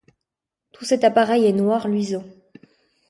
Tout cet appareil est noir luisant.